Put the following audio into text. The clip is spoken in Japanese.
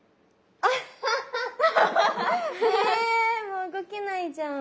もう動けないじゃん。